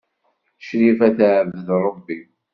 Crifa tɛebbed Ṛebbi.